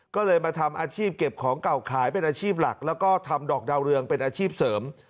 ก็เลยมาทำอาชีพเก็บของเก่าขายเป็นอาชีพหลักแล้วก็ทำดอกดาวเรืองเป็นอาชีพเสริม